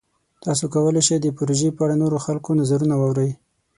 تاسو کولی شئ د پروژې په اړه د نورو خلکو نظرونه واورئ.